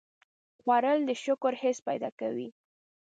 خوړل د شکر حس پیدا کوي